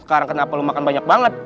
sekarang kenapa lo makan banyak banget